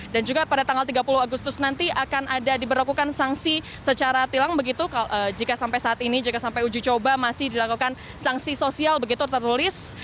dan juga pada tanggal tiga puluh agustus nanti akan ada diberlakukan sanksi secara tilang begitu jika sampai saat ini jika sampai uji coba masih dilakukan sanksi sosial begitu tertulis